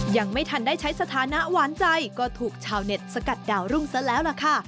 ยังไม่ทันได้ใช้สถานะหวานใจก็ถูกชาวเน็ตสกัดดาวรุ่งซะแล้วล่ะค่ะ